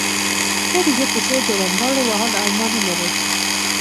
ته د ده په څېر د رمباړو وهلو ارمان نه لرې.